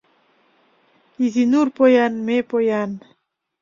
Изинур поян - ме поян.